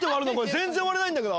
全然割れないんだけど。